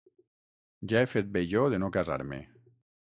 Ja he fet bé jo de no casar-me